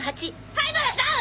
灰原さん！